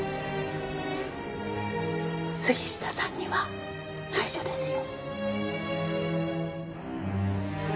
杉下さんには内緒ですよ。